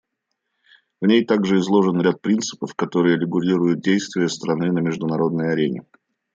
В ней также изложен ряд принципов, которые регулируют действия страны на международной арене.